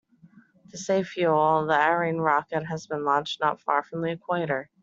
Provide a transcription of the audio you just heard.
To save fuel, the Ariane rocket has been launched not far from the equator.